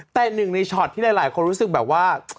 แต่หนึ่งในช็อตที่หลายคนรู้สึกแบบว่า